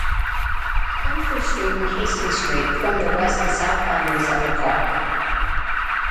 Renfrew Street and Hastings Street form the west and south boundaries of the park.